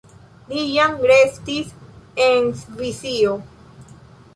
Li jam restis en Svisio.